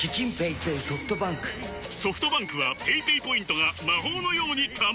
ソフトバンクはペイペイポイントが魔法のように貯まる！